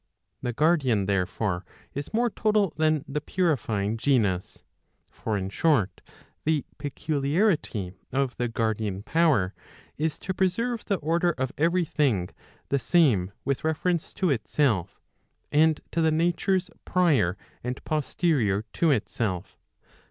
The guardian therefore is more total than the purifying genus. For in short, the peculiarity of the guardian power, is to preserve the order of every thing the same with reference to itself, and to the natures prior and posterior to itself.